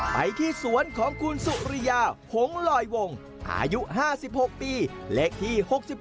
ไปที่สวนของคุณสุริยาหงลอยวงอายุ๕๖ปีเลขที่๖๗